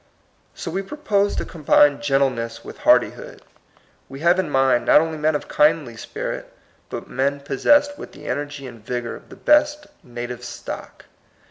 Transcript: So we propose to com bine gentleness with hardihood; we have in mind, not only men of kindly spirit, but men possessed with the energy and vigor of the best native stock.